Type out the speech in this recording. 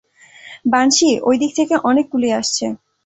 Banshee, ওই দিক থেকে অনেক গুলি আসছে।